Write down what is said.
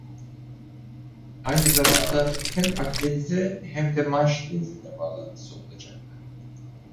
Aynı zamanda hem Akdeniz'e hem de Manş Denizi'ne bağlantısı olacaktı.